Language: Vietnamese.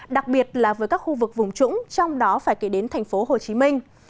đặc biệt là với các khu vực vùng trũng trong đó phải kể đến thành phố hồ chí minh